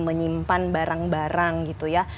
menyimpan barang barang gitu ya